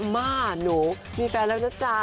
มาหนูมีแฟนแล้วนะจ๊ะ